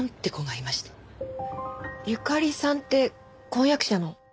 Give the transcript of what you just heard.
ゆかりさんって婚約者の？